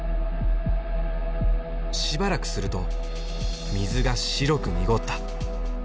しばらくすると水が白く濁った。